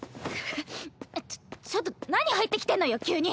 ちょちょっと何入ってきてんのよ急に！